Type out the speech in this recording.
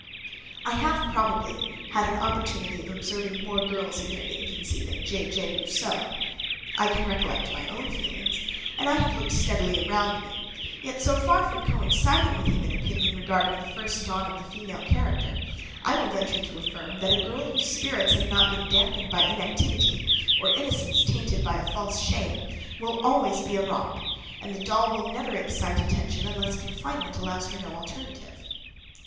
I have, probably, had an opportunity of observing more girls in their infancy than J. J. Rousseau. I can recollect my own feelings, and I have looked steadily around me; yet, so far from coinciding with him in opinion respecting the first dawn of the female character, I will venture to affirm, that a girl, whose spirits have not been damped by inactivity, or innocence tainted by false shame, will always be a romp, and the doll will never excite attention unless confinement allows her no alternative.